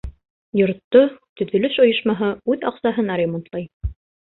Йортто төҙөлөш ойошмаһы үҙ аҡсаһына ремонтлай.